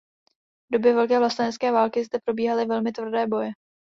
V době Velké vlastenecké války zde probíhaly velmi tvrdé boje.